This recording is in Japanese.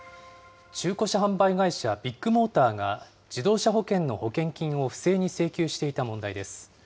中古車販売会社、ビッグモーターが、自動車保険の保険金を不正に請求していた問題です。